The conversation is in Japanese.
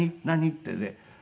ってね